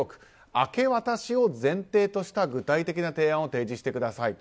明け渡しを前提とした具体的な提案を提示してくださいと。